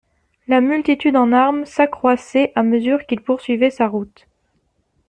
La multitude en armes s'accroissait à mesure qu'il poursuivait sa route.